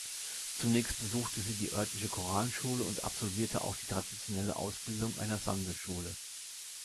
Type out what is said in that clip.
Zunächst besuchte sie die örtliche Koranschule und absolvierte auch die traditionelle Ausbildung einer Sande-Schule.